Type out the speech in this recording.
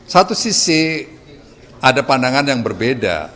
satu sisi ada pandangan yang berbeda